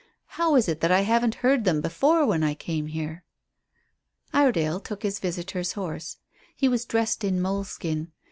How is it that I haven't heard them before when I came here?" Iredale took his visitor's horse. He was dressed in moleskin.